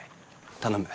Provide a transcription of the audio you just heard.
頼む。